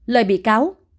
lời bị cáo